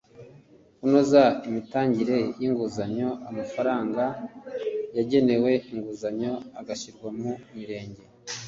Kunoza imitangire y inguzanyo amafaranga yagenewe inguzanyo agashyirwa mu Mirenge